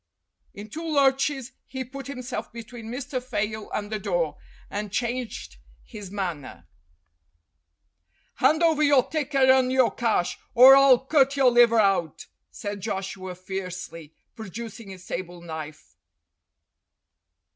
In two lurches he put himself between Mr. Fayle and the door, and changed his manner. "Hand over your ticker and your cash, or I'll cut your liver out!" said Joshua fiercely, producing his table knife.